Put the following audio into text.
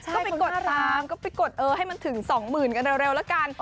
ก็ไปกดตามไปกดเออให้มันถึง๒๐๐๐๐กันเร็วละกัน